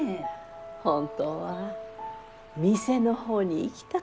本当は店の方に行きたかったがじゃけんど。